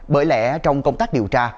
bởi lẽ trong công tác điều tra